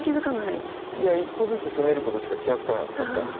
いや１個ずつ攻めることしか気が付かなかったんですけど。